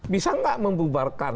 bisa tidak membubarkan